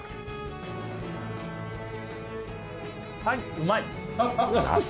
はいうまい。